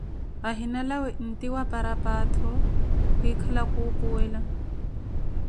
Ahina lawee nti wa paraphato, kwikala khuupuwela